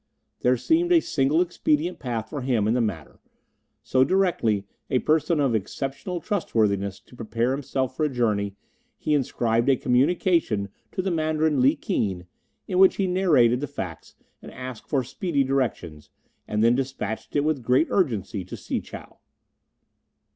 There seemed a single expedient path for him in the matter; so, directing a person of exceptional trustworthiness to prepare himself for a journey, he inscribed a communication to the Mandarin Li Keen, in which he narrated the facts and asked for speedy directions, and then despatched it with great urgency to Si chow.